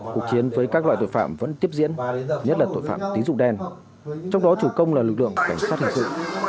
cuộc chiến với các loại tội phạm vẫn tiếp diễn nhất là tội phạm tín dụng đen trong đó chủ công là lực lượng cảnh sát hình sự